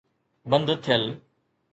بند ٿيل.